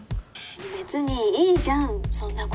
「別にいいじゃんそんな事」